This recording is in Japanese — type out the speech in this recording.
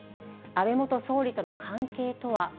安倍元総理との関係とは。